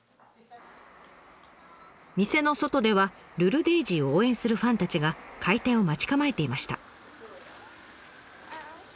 店の外ではルルデイジーを応援するファンたちが開店を待ち構えていました。